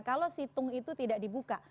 kalau situng itu tidak dibuka